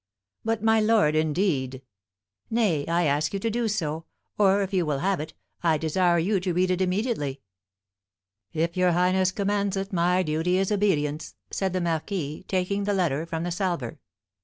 "But, my lord, indeed " "Nay, I ask you to do so; or, if you will have it, I desire you to read it immediately." "If your highness commands it, my duty is obedience," said the marquis, taking the letter from the salver.